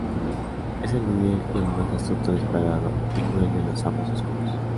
Es el líder y el más astuto, despiadado y cruel de los Amos Oscuros.